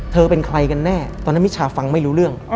เป็นใครกันแน่ตอนนั้นมิชาฟังไม่รู้เรื่อง